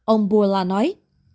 ông bourla nói